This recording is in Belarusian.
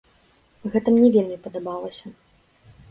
Гэта мне вельмі падабалася.